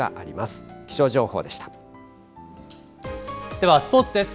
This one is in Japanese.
ではスポーツです。